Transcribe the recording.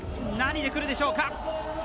何でくるでしょうか。